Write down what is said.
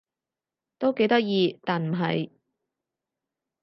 都幾得意但唔係